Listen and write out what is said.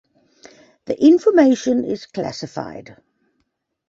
That information is classified.